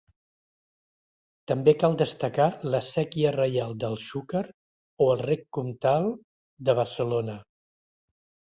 També cal destacar la Séquia Reial del Xúquer o el Rec Comtal de Barcelona.